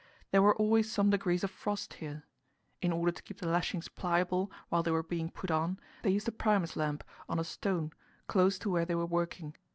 There were always some degrees of frost here. In order to keep the lashings pliable while they were being put on, they used a Primus lamp on a stone close to where they were working.